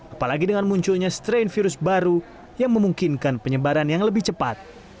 apalagi dengan munculnya strain virus baru yang memungkinkan penyebaran yang lebih cepat